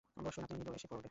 বসুন আপনি, নীলু এসে পড়বে।